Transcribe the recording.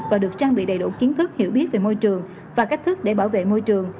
và được trang bị đầy đủ kiến thức hiểu biết về môi trường và cách thức để bảo vệ môi trường